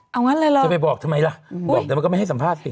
เอางั้นเลยเหรอจะไปบอกทำไมล่ะบอกแต่มันก็ไม่ให้สัมภาษณ์สิ